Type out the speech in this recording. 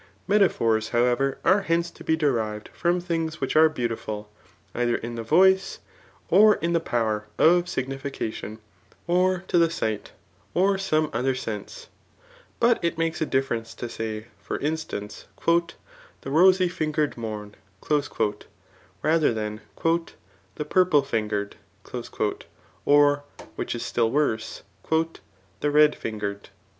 Metaphors, however, are hence to be derived from things which are beautiful, either in the voice, or in the power ^of signification,^ or to the sight, or some other sense. But it makes a difference to say, for instance, *' The rosy finger'd mom," rather than, The piirple fingerd,'* or, which is still worse, *• The red fingcr'd."